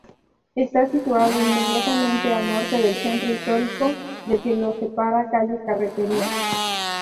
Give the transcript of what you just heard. Está situado inmediatamente al norte del centro histórico, del que lo separa calle Carretería.